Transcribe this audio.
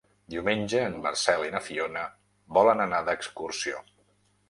Diumenge en Marcel i na Fiona volen anar d'excursió.